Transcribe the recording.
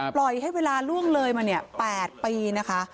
ปล่อยให้เวลาล่วงเลยมา๘ปีนะคะ